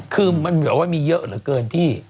คือมันแบบว่ามีเยอะเหลือเกินพี่